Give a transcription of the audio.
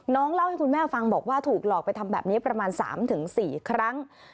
เล่าให้คุณแม่ฟังบอกว่าถูกหลอกไปทำแบบนี้ประมาณ๓๔ครั้ง